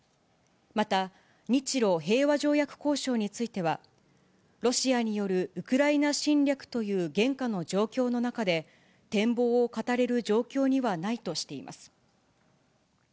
また日露平和条約交渉については、ロシアによるウクライナ侵略という現下の状況の中で、展望を語れる状況にはないとしています。